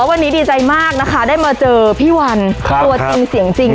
วันนี้ดีใจมากนะคะได้มาเจอพี่วันครับตัวสิ่งซึ่งจริง